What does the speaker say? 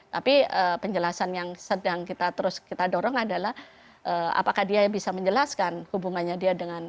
tapi penjelasan yang sedang kita terus kita dorong adalah apakah dia bisa menjelaskan hubungannya dia dengan